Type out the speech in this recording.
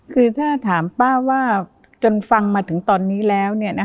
คือถ้าถามป้าว่าจนฟังมาถึงตอนนี้แล้ว